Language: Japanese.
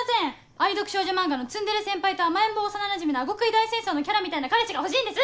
愛読少女漫画の『ツンデレ先輩と甘えん坊幼馴染みの顎クイ大戦争』のキャラみたいな彼氏が欲しいんです！